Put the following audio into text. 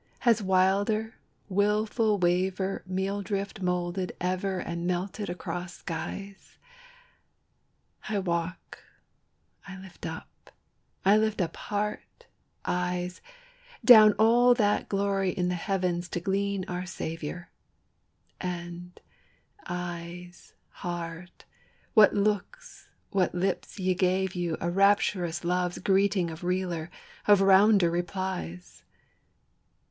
has wilder, wilful wavier Meal drift moulded ever and melted across skies? I walk, I lift up, I lift up heart, eyes, Down all that glory in the heavens to glean our Saviour; And, éyes, heárt, what looks, what lips yet gave you a Rapturous love's greeting of realer, of rounder replies?